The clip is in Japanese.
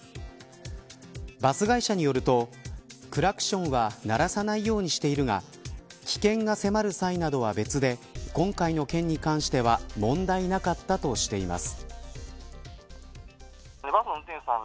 バス会社によるとクラクションは鳴らさないようにしているが危険が迫る際などは別で今回の件に関しては問題なかったとしています。